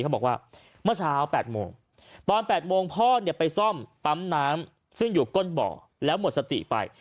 เขาบอกว่าเมื่อเช้า๘โมงตอน๘โมงพ่อเนี่ยไปซ่อมปั๊มน้ำซึ่งอยู่ก้นบ่อแล้วหมดสติไป